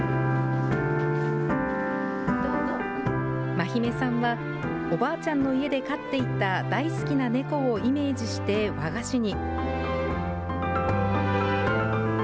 真妃さんは、おばあちゃんの家で飼っていた大好きな猫をイメージして和菓子に。